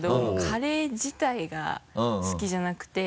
カレー自体が好きじゃなくて。